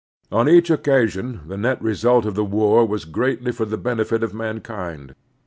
On each occasion the net result of the war was greatly for the benefit of mankind.